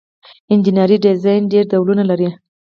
انجنیری ډیزاین ډیر ډولونه لري.